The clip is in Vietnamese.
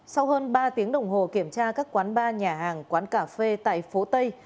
sau hơn ba tiếng đồng hồ kiểm tra các quán bar nhà hàng quán cà phê tại phố tây